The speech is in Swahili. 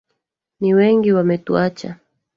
Ni wengi wametuacha.